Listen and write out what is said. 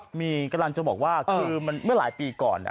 มีกำลังจะบอกว่าคือเมื่อหลายปีก่อน